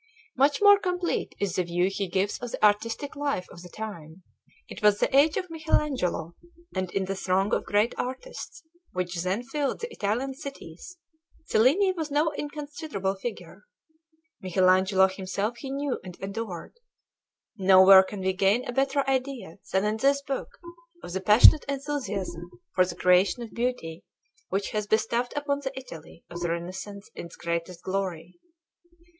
Much more complete is the view he gives of the artistic life of the time. It was the age of Michelangelo, and in the throng of great artists which then filled the Italian cities, Cellini was no inconsiderable figure. Michelangelo himself he knew and adored. Nowhere can we gain a better idea than in this book of the passionate enthusiasm for the creation of beauty which has bestowed upon the Italy of the Renaissance its greatest glory.